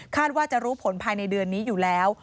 ว่าจะรู้ผลภายในเดือนนี้อยู่แล้ว